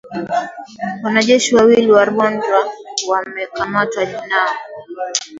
wanajeshi wawili wa Rwanda wamekamatwa na